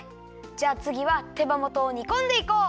じゃあつぎは手羽元を煮こんでいこう！